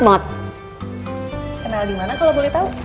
kenal dimana kalau boleh tau